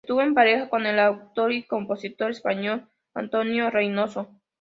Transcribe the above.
Estuvo en pareja con el autor y compositor español Antonio Reynoso.